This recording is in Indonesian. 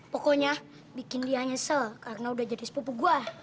pokoknya bikin dia nyesel karena udah jadi sepupuk gue